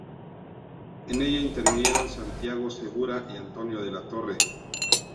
En ella intervinieron Santiago Segura y Antonio de la Torre.